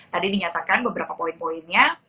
tadi dinyatakan beberapa poin poinnya